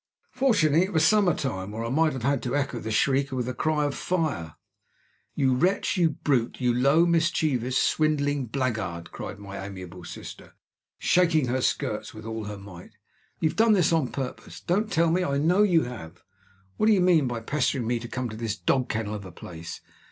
Fortunately it was summer time, or I might have had to echo the shriek with a cry of "Fire!" "You wretch! you brute! you low, mischievous, swindling blackguard!" cried my amiable sister, shaking her skirts with all her might, "you have done this on purpose! Don't tell me! I know you have. What do you mean by pestering me to come to this dog kennel of a place?"